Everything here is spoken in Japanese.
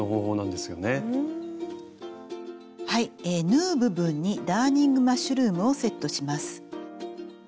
縫う部分にダーニングマッシュルームをセットします。